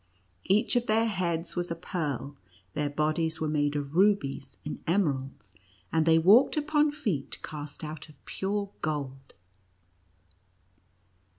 Each of their heads was a pearl; their bodies were made of rubies and emeralds ; and they walked upon feet cast out of pure gold.